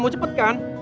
mau cepet kan